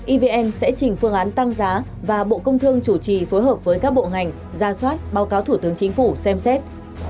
evn sẽ chỉnh phương án tăng giá và bộ công thương chủ trì phối hợp với các bộ ngành ra soát báo cáo thủ tướng chính phủ xem xét